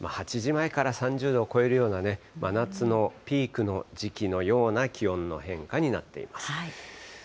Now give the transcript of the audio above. ３０度を超えるような真夏のピークの時期のような気温の変化になっています。